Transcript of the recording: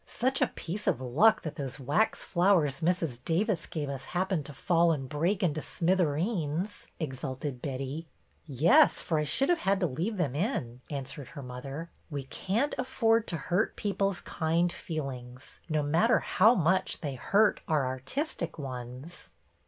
Such a piece of luck that those wax flowers Mrs. Davis gave us happened to fall and break into smithereens !" exulted Betty. " Yes, for I should have had to leave them in," answered her mother. " We can't afford to hurt people's kind feelings, no matter how much they hurt our artistic ones."